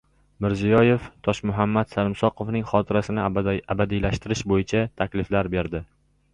Mirziyoyev Toshmuhammad Sarimsoqovning xotirasini abadiylashtirish bo‘yicha takliflar berdi